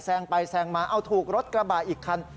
ไปแซงมาเอาถูกรถกระบะอีกคัน